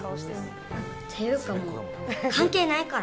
ていうか、もう関係ないから。